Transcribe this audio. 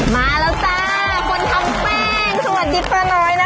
มาแล้วจ้าคนทำแป้งสวัสดีป้าน้อยนะคะ